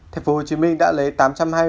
tp hcm đã lấy